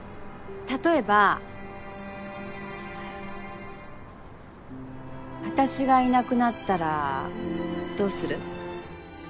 例えば私がいなくなったらどうする？